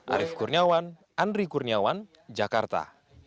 arief kurniawan andri kurniawan jakarta